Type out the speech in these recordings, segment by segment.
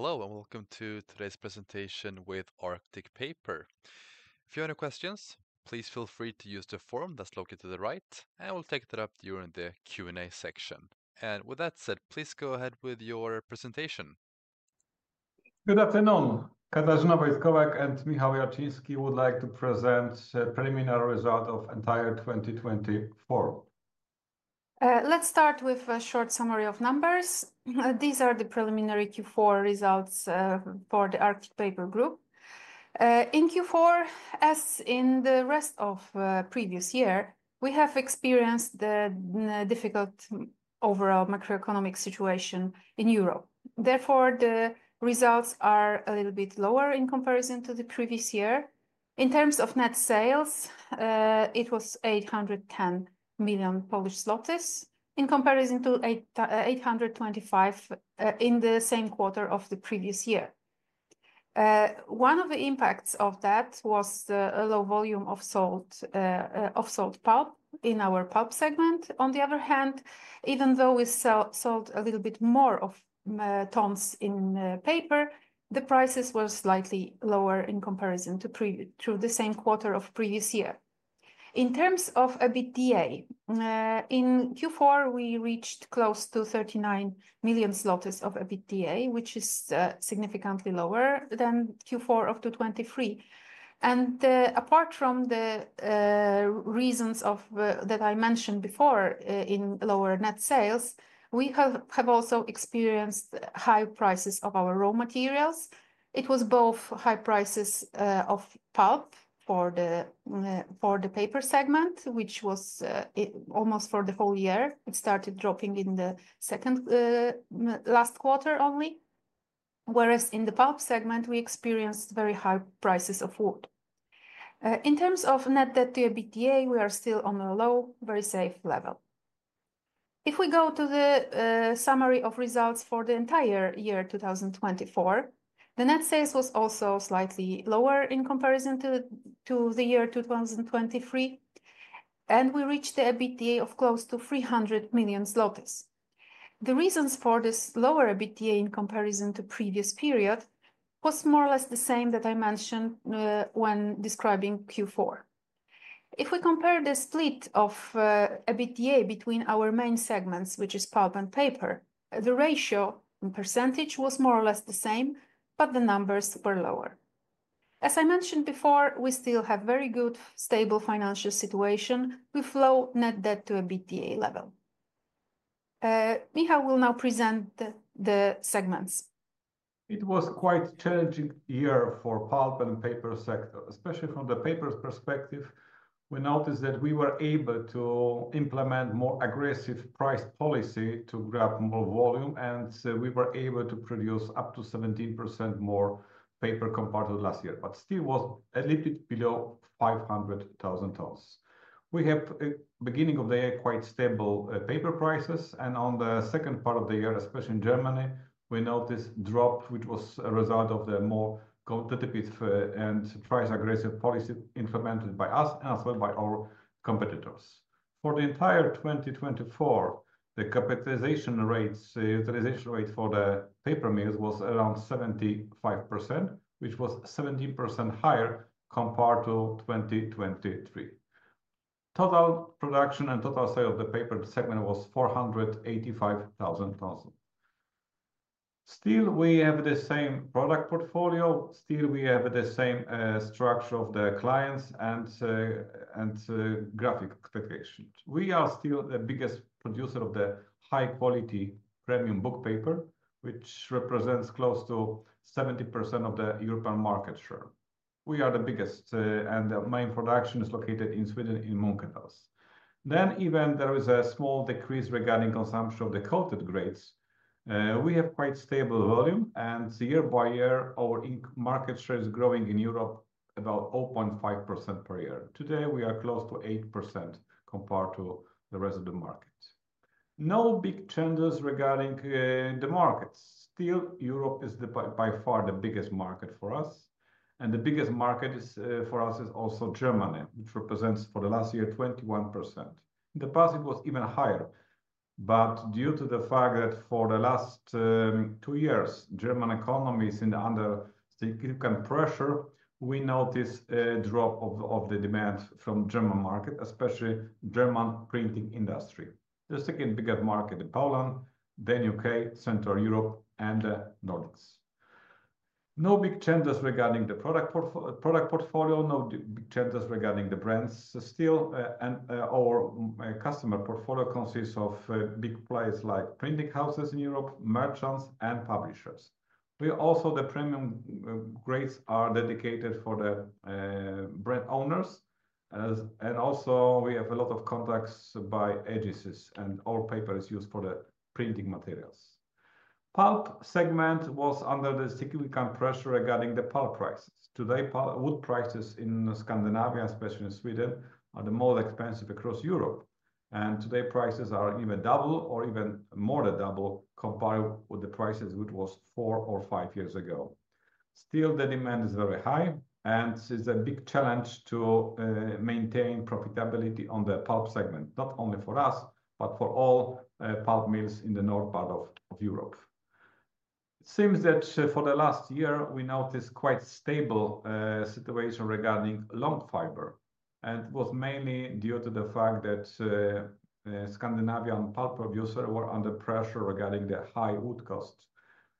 Hello and welcome to today's presentation with Arctic Paper. If you have any questions please feel free to use the form that's located to the right and we'll take that up during the Q and A section. And with that said please go ahead with your presentation. Good afternoon, Let's start with a short summary of numbers. These are the preliminary Q4 results for the Arctic Paper Group. In Q4, as in the rest of previous year, we have experienced the difficult overall macroeconomic situation in Europe. Therefore, the results are a little bit lower in comparison to the previous year. In terms of net sales, it was $810,000,000 Polish in comparison to $8.25 in the same quarter of the previous year. One of the impacts of that was the low volume of salt pulp in our pulp segment. On the other hand, even though we sold a little bit more of tons in paper, the prices were slightly lower in comparison to the same quarter of previous year. In terms of EBITDA, in Q4, we reached close to 39,000,000 zlotys of EBITDA, which is significantly lower than February '23. And apart from the reasons of that I mentioned before in lower net sales, we have have also experienced high prices of our raw materials. It was both high prices of pulp for the for the paper segment, which was almost for the whole year. It started dropping in the second, last quarter only, whereas in the pulp segment, we experienced very high prices of wood. In terms of net debt to EBITDA, we are still on a low, very safe level. If we go to the summary of results for the entire year 2024, the net sales was also slightly lower in comparison to the year 2023, and we reached the EBITDA of close to 300,000,000 slotes. The reasons for this lower EBITDA in comparison to previous period was more or less the same that I mentioned when describing Q4. If we compare the split of EBITDA between our main segments, which is pulp and paper, the ratio in percentage was more or less the same, but the numbers were lower. As I mentioned before, we still have very good stable financial situation, we flow net debt to a BTA level. Michal will now present the segments. It was quite challenging year for pulp and paper sector, especially from the papers perspective. We noticed that we were able to implement more aggressive price policy to grab more volume and we were able to produce up to 17% more paper compared to last year, but still was a little bit below 500,000 tons. We have at the beginning of the year quite stable paper prices and on the second part of the year, especially in Germany, we noticed drop which was a result of the more counterfeits and price aggressive policy implemented by us as well by our competitors. For the entire 2024, the capitalization rates, utilization rate for the paper mills was around 75%, which was 70% higher compared to 2023. Total production and total sale of the paper segment was 485,000 thousand. Still, we have the same product portfolio, still we have the same structure of the clients and graphic expectations. We are still the biggest producer of the high quality premium book paper, which represents close to 70% of the European market share. We are the biggest, and my production is located in Sweden in Munkettas. Then even there is a small decrease regarding consumption of the coated grades. We have quite stable volume and year by year our market share is growing in Europe about 0.5% per year. Today we are close to 8% compared to the residue markets. No big changes regarding the markets. Still, Europe is the by far the biggest market for us and the biggest market is for us is also Germany, which represents for the last year 21%. In the past it was even higher, but due to the fact that for the last two years, German economy is under significant pressure, we notice a drop of the demand from German market, especially German printing industry. The second biggest market in Poland, then UK, Central Europe and The Nordics. No big changes regarding the product portfolio, no big changes regarding the brands still and our customer portfolio consists of big players like printing houses in Europe, Merchants and publishers. We also the premium grades are dedicated for the brand owners and also we have a lot of contacts by agencies and all paper is used for the printing materials. Pulp segment was under the cyclical pressure regarding the pulp prices. Today, wood prices in Scandinavia, especially in Sweden, are the more expensive across Europe. And today, prices are even double or even more than double, compared with the prices which was four or five years ago. Still, the demand is very high and it's a big challenge to maintain profitability on the pulp segment, not only for us but for all pulp mills in the North Part Of Europe. It seems that for the last year we noticed quite stable situation regarding lump fiber and was mainly due to the fact that Scandinavian pulp producer were under pressure regarding the high wood costs.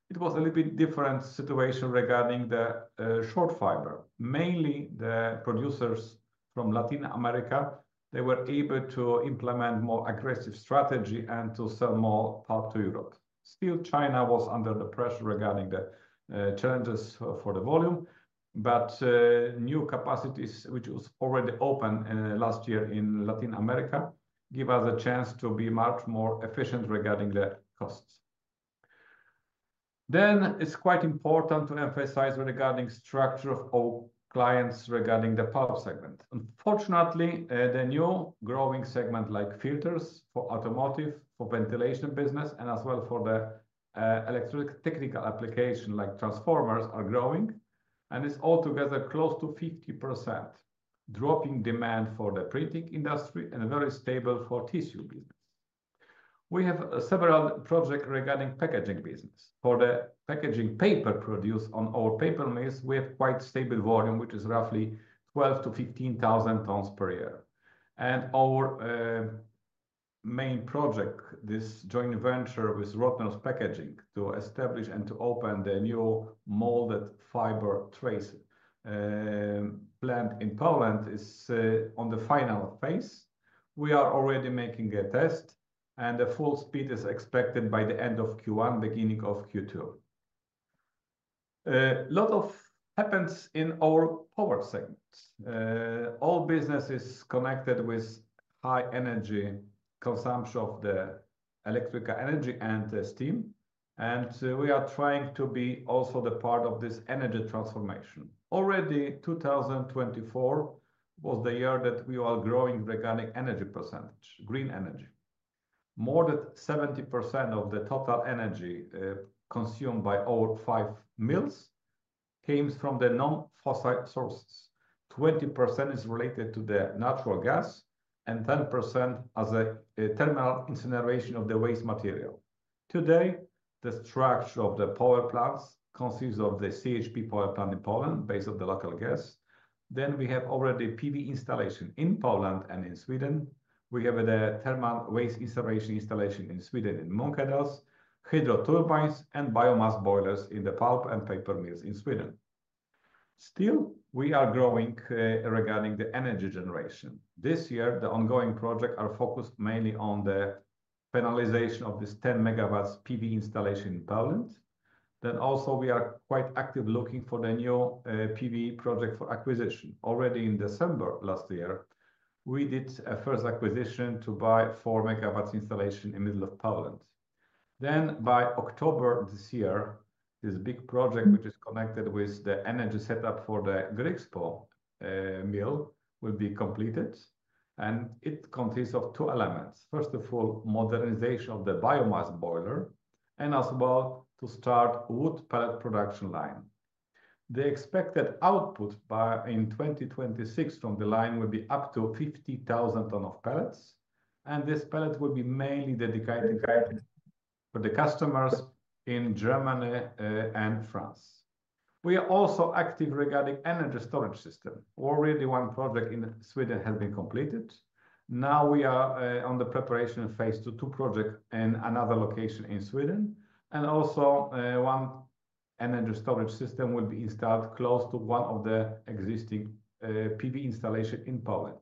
It was a little bit different situation regarding the short fiber. Mainly, the producers from Latin America, they were able to implement more aggressive strategy and to sell more out to Europe. Still, China was under the pressure regarding the, challenges for the volume, but new capacities which was already open last year in Latin America give us a chance to be much more efficient regarding the costs. Then it's quite important to emphasize regarding structure of all clients regarding the power segment. Unfortunately, the new growing segment like filters for automotive, for ventilation business, and as well for the, electric technical application like transformers are growing, and is altogether close to 50%, dropping demand for the printing industry and a very stable for tissue business. We have several projects regarding packaging business. For the packaging paper produced on our paper mills, we have quite stable volume, which is roughly 12 to 15,000 tons per year. And our main project, this joint venture with Rotanos Packaging to establish and to open the new molded fiber trace plant in Poland is on the final phase. We are already making a test and the full speed is expected by the end of Q1 beginning of Q2. A lot of happens in our power segments. All business is connected with high energy consumption of the electrical energy and the steam, and we are trying to be also the part of this energy transformation. Already 2024 was the year that we are growing organic energy percentage, green energy. More than 70% of the total energy consumed by all five mills came from the non fossil sources. 20% is related to the natural gas and 10% as a terminal incineration of the waste material. Today, the structure of the power plants consists of the CHP power plant in Poland based on the local gas. Then we have already PV installation in Poland and in Sweden. We have the thermal waste incineration installation in Sweden in Moncadas, hydro turbines, and biomass boilers in the pulp and paper mills in Sweden. Still, we are growing regarding the energy generation. This year, the ongoing projects are focused mainly on the finalization of this 10 megawatts PV installation in Poland. Then also we are quite active looking for the new, PV project for acquisition. Already in December, we did a first acquisition to buy four megawatts installation in middle of Poland. Then by October, this big project which is connected with the energy setup for the Grigspo mill will be completed and it consists of two elements. First of all, modernization of the biomass boiler and as well to start wood pellet production line. The expected output in 2026 from the line will be up up to 50,000 tonne of pellets and this pellet will be mainly the decline for the customers in Germany and France. We are also active regarding energy storage system. Already one project in Sweden has been completed. Now we are on the preparation phase two project in another location in Sweden and also one energy storage system will be installed close to one of the existing PV installation in Poland.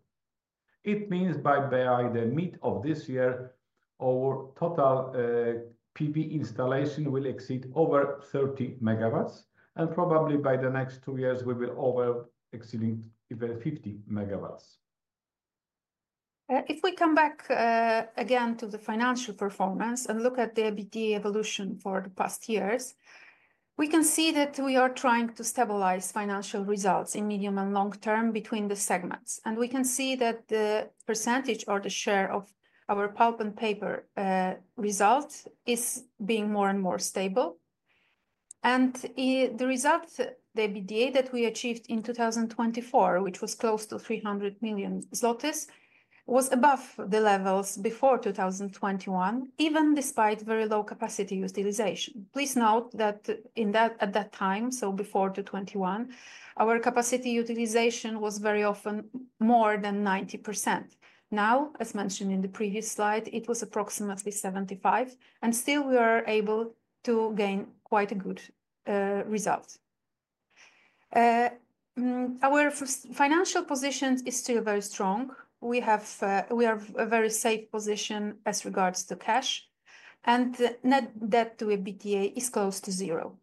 It means by the mid of this year, our total PV installation will exceed over 30 megawatts and probably by the next two years we will over exceed 50 megawatts. If we come back again to the financial performance and look at the EBITDA evolution for the past years, we can see that we are trying to stabilize financial results in medium and long term between the segments. And we can see that the percentage or the share of our pulp and paper results is being more and more stable. And the results, the EBITDA that we achieved in 02/2024, which was close to 300,000,000 zlotys, was above the levels before 02/2021 even despite very low capacity utilization. Please note that in that at that time, so before the '21, our capacity utilization was very often more than 90%. Now, as mentioned in the previous slide, it was approximately 75, and still we are able to gain quite a good results. Our financial position is still very strong. We have, we have a very safe position as regards to cash, and net debt to EBITDA is close to zero.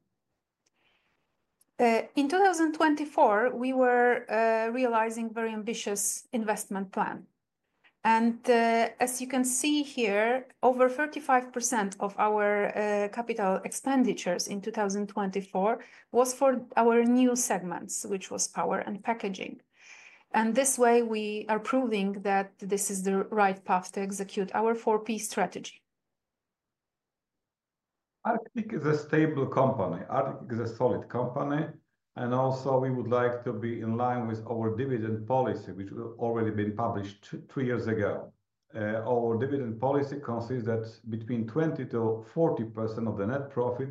In 02/2024, we were realizing very ambitious investment plan. And, as you can see here, over 35% of our capital expenditures in 02/2024 was for our new segments, which was power and packaging. And this way, we are proving that this is the right path to execute our four p strategy. Artic is a stable company. Artic is a solid company and also we would like to be in line with our dividend policy which already been published two three years ago. Our dividend policy consists that between 20 to 40% of the net profit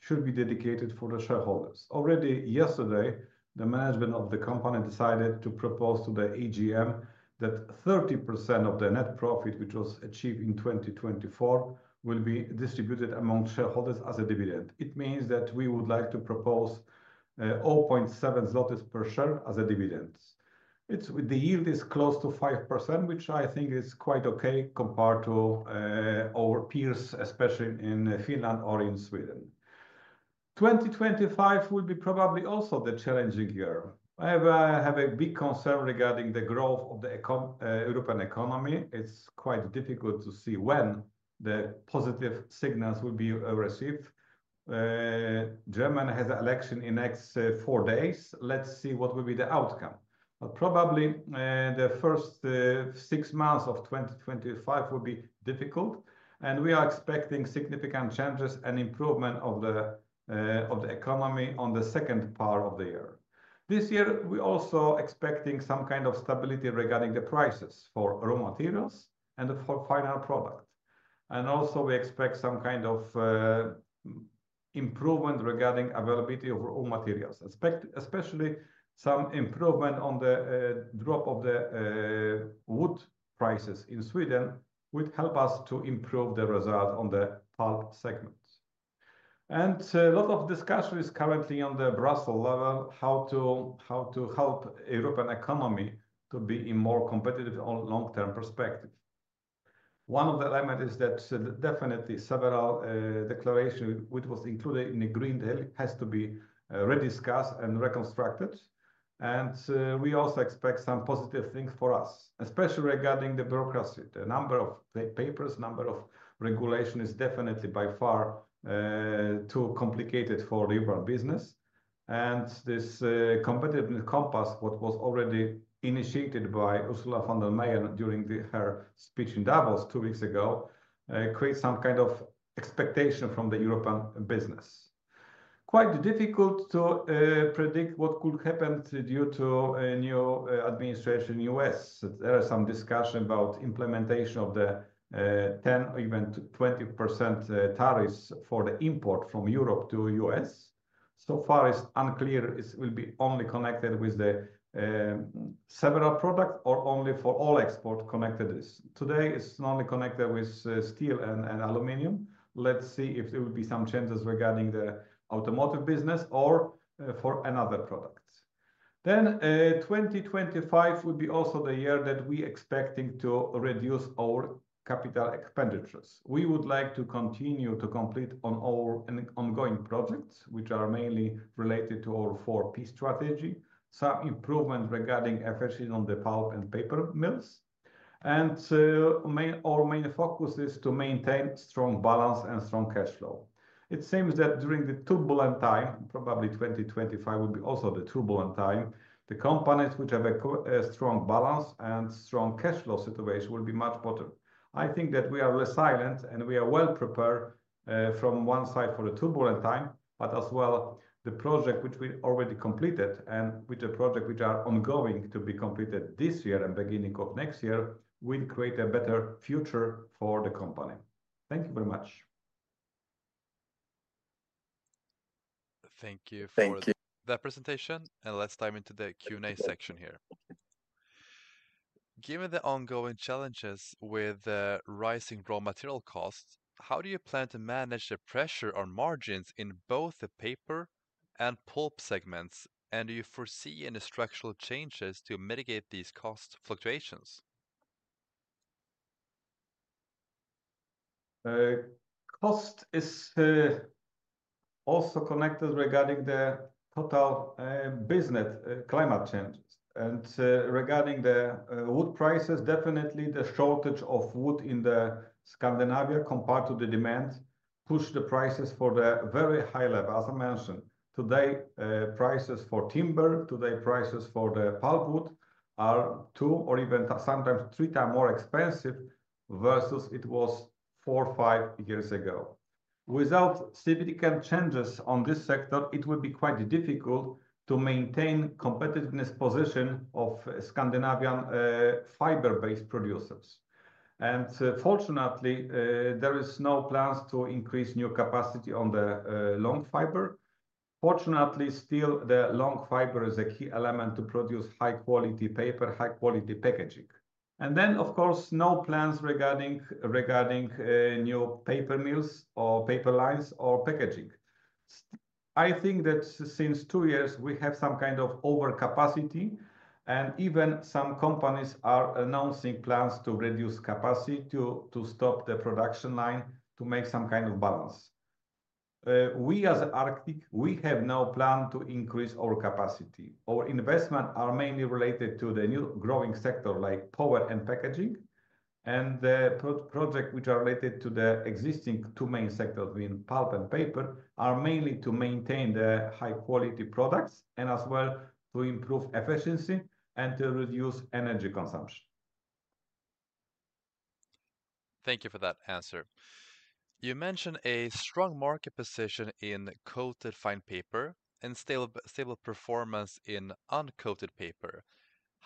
should be dedicated for the shareholders. Already yesterday, the management of the company decided to propose to the AGM that 30% of the net profit, which was achieved in 2024, will be distributed among shareholders as a dividend. It means that we would like to propose 0.7 zlotys per share as a dividend. The yield is close to 5% which I think is quite okay compared to our peers especially in Finland or in Sweden. Twenty Twenty Five will be probably also the challenging year. I have a big concern regarding the growth of the European economy. It's quite difficult to see when the positive signals will be received. German has an election in next four days. Let's see what will be the outcome. Probably, the first six months of twenty twenty five will be difficult, and we are expecting significant changes and improvement of the, of the economy on the second part of the year. This year, we're also expecting some kind of stability regarding the prices for raw materials and for final product. And also we expect some kind of improvement regarding availability of raw materials, especially some improvement on the drop of the wood prices in Sweden would help us to improve the result on the pulp segments. And a lot of discussion is currently on the Brussel level how to how to help a European economy to be in more competitive on long term perspective. One of the elements is that definitely several declarations which was included in the Green Hill has to be rediscussed and reconstructed and we also expect some positive things for us, especially regarding the bureaucracy. The number of papers, number of regulation is definitely by far too complicated for liberal business and this competitiveness compass what was already initiated by Ursula van der Meijer during her speech in Davos Two Weeks ago, creates some kind of expectation from the European business. Quite difficult to predict what could happen due to a new administration in US. There are some discussion about implementation of the 10 or even 20% tariffs for the import from Europe to US. So far it's unclear. It will be only connected with the several products or only for all export connected. Today it's not only connected with steel and aluminum. Let's see if there will be some changes regarding the automotive business or for another product. Then, 2025 would be also the year that we expecting to reduce our capital expenditures. We would like to continue to complete on all ongoing projects, which are mainly related to our four piece strategy, some improvement regarding efficiency on the power and paper mills and our main focus is to maintain strong balance and strong cash flow. It seems that during the turbulent time, probably 2025 will be also the turbulent time, the companies which have a strong balance and strong cash flow situation will be much better. I think that we are silent and we are well prepared, from one side for a turbulent time, but as well the project which we already completed and with the project which are ongoing to be completed this year and beginning of next year will create a better future for the company. Thank you very much. Thank you for that presentation. And let's dive into the Q and A section here. Given the ongoing challenges with rising raw material costs, how do you plan to manage the pressure on margins in both the paper and pulp segments and do you foresee any structural changes to mitigate these cost fluctuations? Cost is also connected regarding the total business climate change. And regarding the wood prices, definitely the shortage of wood in the Scandinavia compared to the demand push the prices for the very high level. As I mentioned, today, prices for timber, today, prices for the pulpwood are two or even sometimes three times more expensive versus it was four or five years ago. Without CVDCAD changes on this sector, it would be quite difficult to maintain competitiveness position of Scandinavian fiber based producers. And fortunately, there is no plans to increase new capacity on the long fiber. Fortunately, still the long fiber is a key element to produce high quality paper, high quality packaging. And then, of course, no plans regarding regarding new paper mills or paper lines or packaging. I think that since two years, we have some kind of overcapacity and even some companies are announcing plans to reduce capacity to to stop the production line to make some kind of balance. We as an Arctic, we have no plan to increase our capacity. Our investment are mainly related to the new growing sector like power and packaging and the project which are related to the existing two main sectors in Pulp and Paper are mainly to maintain the high quality products and as well to improve efficiency and to reduce energy consumption. Thank you for that answer. You mentioned a strong market position in coated fine paper and stable performance in uncoated paper.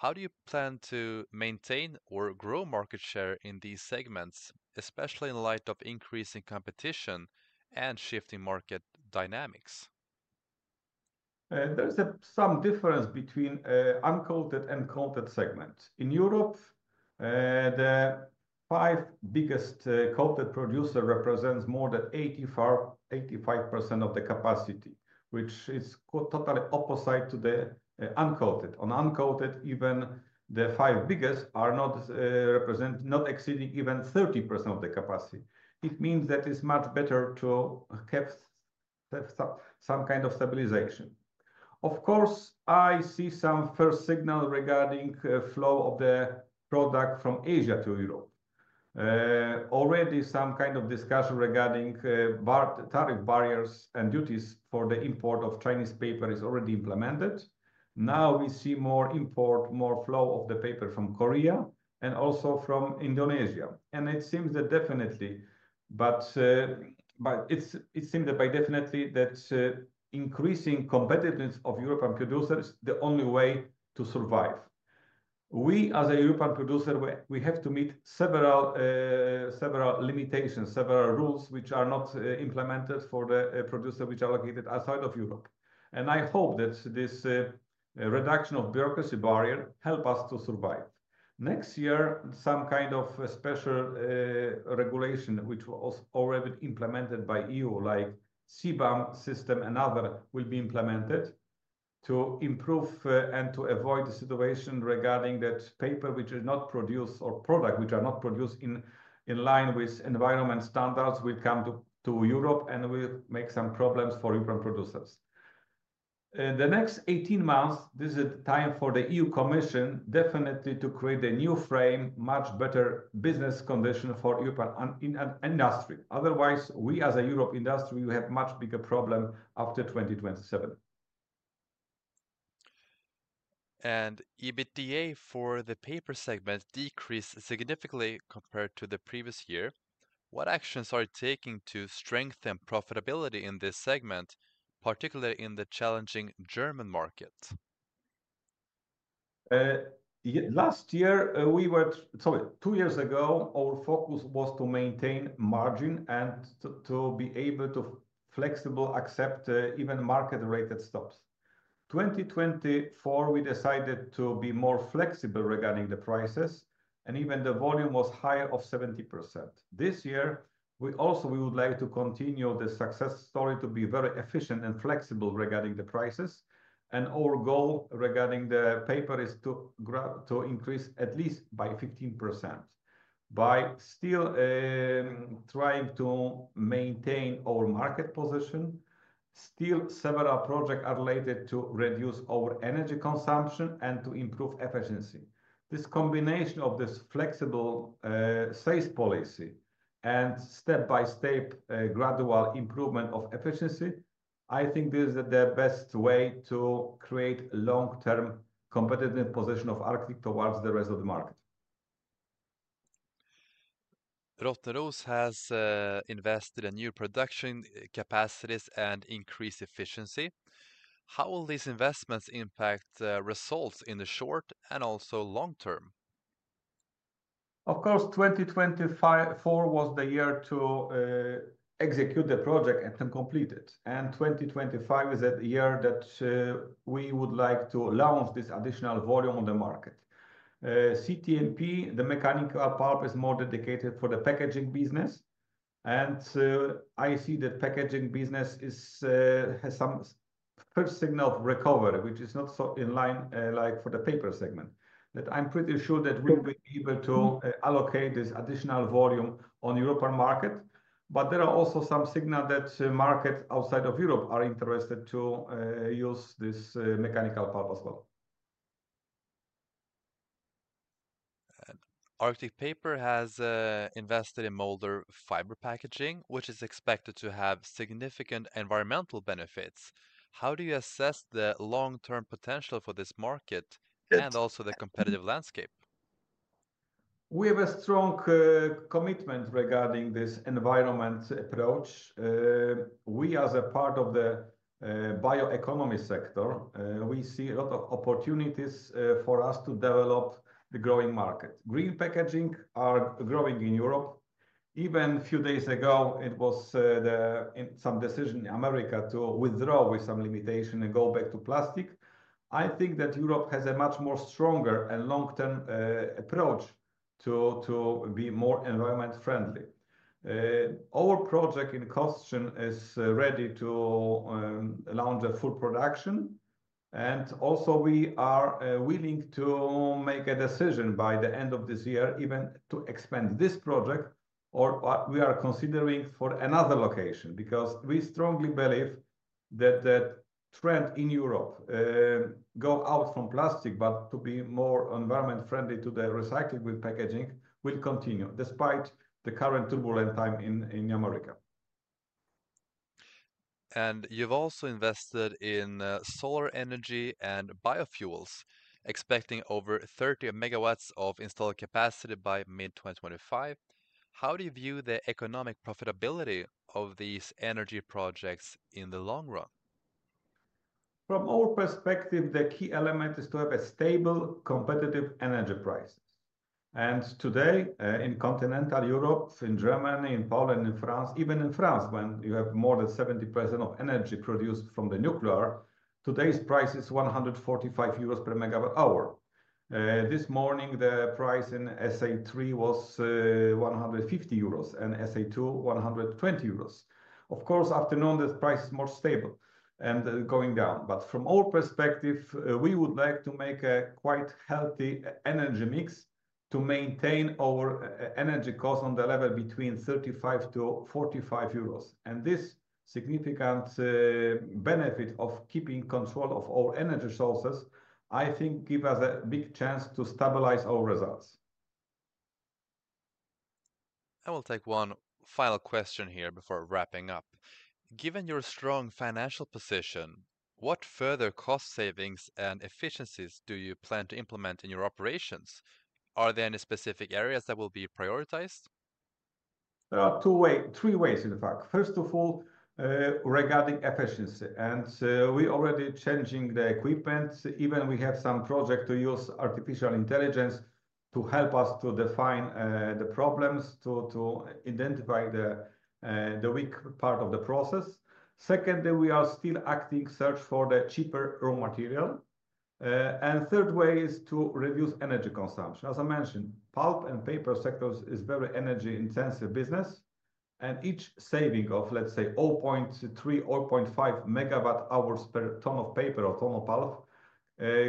How do you plan to maintain or grow market share in these segments especially in light of increasing competition and shifting market dynamics? There's some difference between uncoated and coated segments. In Europe, the five biggest coated producer represents more than 85% of the capacity, which is totally opposite to the uncoated. On uncoated even the five biggest are not, represent, not exceeding even 30% of the capacity. It means that it's much better to have some kind of stabilization. Of course, I see some first signal regarding flow of the product from Asia to Europe. Already some kind of discussion regarding tariff barriers and duties for the import of Chinese paper is already implemented. Now we see more import, more flow of the paper from Korea and also from Indonesia. And it seems that definitely, but, but it's it's seemed that by definitely that, increasing competitiveness of European producers, the only way to survive. We, as a European producer, we have to meet several, limitations, several rules which are not implemented for the producer which are located outside of Europe. I hope that this reduction of bureaucracy barrier help us to survive. Next year, some kind of special regulation which was already implemented by EU like CBAM system and other will be implemented to improve and to avoid the situation regarding that paper which is not produced or product which are not produced in in line with environment standards will come to Europe and will make some problems for European producers. The next eighteen months, this is a time for the EU commission definitely to create a new frame, much better business condition for Europe and in an industry. Otherwise, we as a Europe industry, we have much bigger problem after 2027. And EBITDA for the paper segment decreased significantly compared to the previous year. What actions are you taking to strengthen profitability in this segment, particularly in the challenging German market? Last year, we were sorry, two years ago, our focus was to maintain margin and to be able to flexible accept even market rate that stops. 2024, we decided to be more flexible regarding the prices and even the volume was higher of 70%. This year, we also would like to continue the success story to be very efficient and flexible regarding the prices and our goal regarding the paper is to increase at least by 15% by still, trying to maintain our market position. Still several projects are related to reduce our energy consumption and to improve efficiency. This combination of this flexible sales policy and step by step gradual improvement of efficiency, I think this is the best way to create long term competitive position of Arctic towards the rest of the market. Rotteros has invested in new production capacities and increased efficiency. How will these investments impact results in the short and also long term? Of course 2024 was the year to execute the project and then complete it and 2025 is a year that we would like to launch this additional volume on the market. CTMP, the mechanical up half is more dedicated for the packaging business and I see that packaging business is, has some signal recovery, which is not so in line, like for the paper segment that I'm pretty sure that we'll be able to allocate this additional volume on European market, but there are also some signal that markets outside of Europe are interested to use this mechanical pulp as well. Arctic Paper has invested in moulder fiber packaging, which is expected to have significant environmental benefits. How do you assess the long term potential for this market and also the competitive landscape? We have a strong commitment regarding this environment approach. We as a part of the bioeconomy sector, we see a lot of opportunities for us to develop the growing market. Green packaging are growing in Europe. Even few days ago, it was some decision in America to withdraw with some limitation and go back to plastic. I think that Europe has a much more stronger and long term approach to be more environment friendly. Our project in Kostyaan is ready to, allow the full production and also we are willing to make a decision by the end of this year even to expand this project or what we are considering for another location because we strongly believe that that trend in Europe, go out from plastic, but to be more environment friendly to the recycled packaging will continue despite the current turbulent time in in America. And you've also invested in solar energy and biofuels expecting over 30 megawatts of installed capacity by mid twenty twenty five. How do you view the economic profitability of these energy projects in the long run? From our perspective, the key element is to have a stable competitive energy prices. And today, in Continental Europe, in Germany, in Poland, in France, even in France, when you have more than 70% of energy produced from the nuclear, today's price is €145 per megawatt hour. This morning, the price in SA3 was €150 and SA2 1 Hundred And 20 Euros Of course, afternoon the price is more stable and going down but from our perspective we would like to make a quite healthy energy mix to maintain our energy cost on the level between 35 to €45 and this significant benefit of keeping control of all energy sources I think give us a big chance to stabilize our results. I will take one final question here before wrapping up. Given your strong financial position, what further cost savings and efficiencies do you plan to implement in your operations? Are there any specific areas that will be prioritized? Two way three ways in fact. First of all, regarding efficiency. And we already changing the equipment. Even we have some project to use artificial intelligence to help us to define, the problems to to identify the, the weak part of the process. Secondly, we are still acting search for the cheaper raw material. And third way is to reduce energy consumption. As I mentioned, pulp and paper sectors is very energy intensive business and each saving of, let's say, 0.3 or 0.5 megawatt hours per ton of paper or ton of pulp,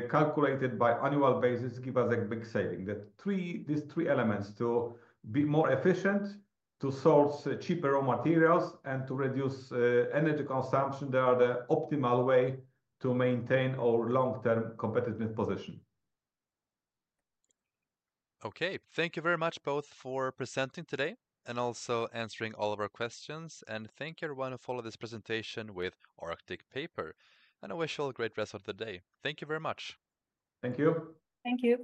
calculated by annual basis give us a big saving. That three these three elements to be more efficient, to source cheaper raw materials and to reduce, energy consumption, they are the optimal way to maintain our long term competitive position. Okay. Thank you very much both for presenting today and also answering all of our questions. And thank you everyone who follow this presentation with Arctic Paper. And I wish you all a great rest of the day. Thank you very much. Thank you. Thank you.